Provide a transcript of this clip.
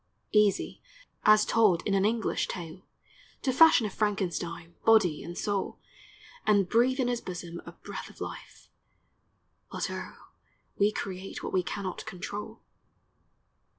Easy as told in an English tale, To fashion a Frankenstein, body and soul, And breathe in his bosom a breath of life, But O, we create what we cannot control.